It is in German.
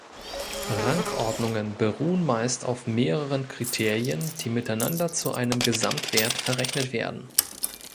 Rangordnungen beruhen meist auf mehreren Kriterien, die miteinander zu einem Gesamtwert verrechnet werden.